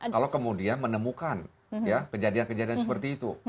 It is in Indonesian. kalau kemudian menemukan kejadian kejadian seperti itu